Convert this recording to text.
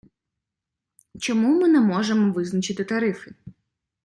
Чому ми не можемо визначити тарифи.